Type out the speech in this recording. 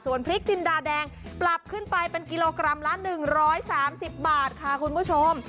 พริกจินดาแดงปรับขึ้นไปเป็นกิโลกรัมละ๑๓๐บาทค่ะคุณผู้ชม